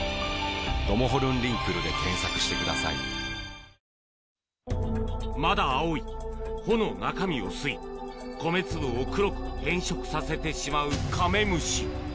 三菱電機まだ青い穂の中身を吸い、米粒を黒く変色させてしまうカメムシ。